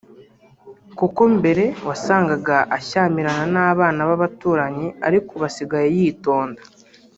kuko mbere wasangaga ashyamirana n’abana b’abaturanyi ariko ubu asigaye yitonda